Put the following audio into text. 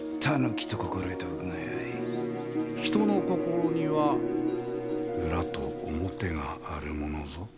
人の心には裏と表があるものぞ。